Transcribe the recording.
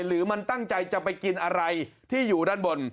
หรือมันตั้งใจจะไปกินอะไรที่อยู่ด้านบน